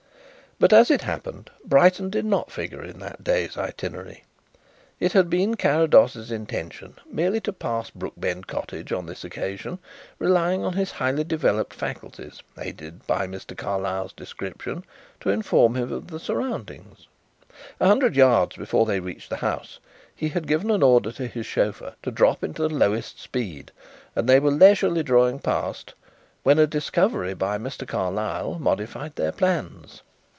But, as it happened, Brighton did not figure in that day's itinerary. It had been Carrados's intention merely to pass Brookbend Cottage on this occasion, relying on his highly developed faculties, aided by Mr. Carlyle's description, to inform him of the surroundings. A hundred yards before they reached the house he had given an order to his chauffeur to drop into the lowest speed and they were leisurely drawing past when a discovery by Mr. Carlyle modified their plans.